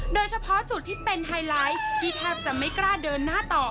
โดยเฉพาะจุดที่เป็นไฮไลท์ที่แทบจะไม่กล้าเดินหน้าต่อ